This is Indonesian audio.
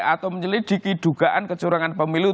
atau menyelidiki dugaan kecurangan pemilu